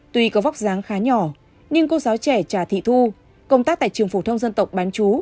tuy có vóc dáng khá nhỏ nhưng cô giáo trẻ trà thị thu công tác tại trường phổ thông dân tộc bán chú